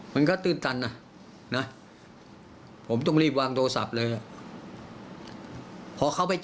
มันก็ตื้นตันอ่ะ